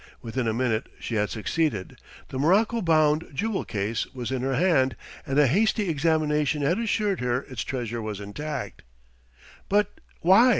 Within a minute she had succeeded, the morocco bound jewel case was in her hand, and a hasty examination had assured her its treasure was intact. "But why